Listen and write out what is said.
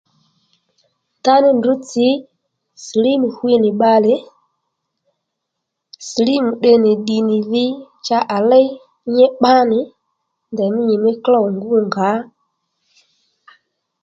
Ndaní ndrǔ tsǐ silímù hwi nì bbalè silímù tde nì ddì nì dhi cha à léy nyi pbá nì ndèymí nyìmí klôw ngú ngǎ